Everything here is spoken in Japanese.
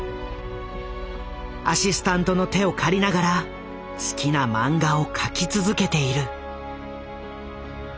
アシスタントの手を借りながら好きな漫画を描き続けている。